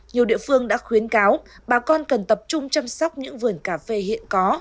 nhiều địa phương đã khuyến cáo bà con cần tập trung chăm sóc những vườn cà phê hiện có